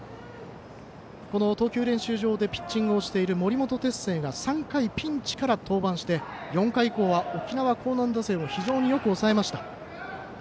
この投球練習場で練習している森本哲星が３回ピンチから登板して４回以降は沖縄、興南打線を非常によく抑えました。